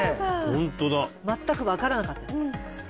ホントだ全く分からなかったです